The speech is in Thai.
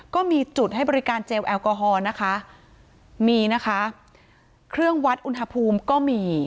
ก็มีจุดให้บริการเจลแอลกอฮอล์นะคะมีนะคะเครื่องวัดอุณหภูมิก็มี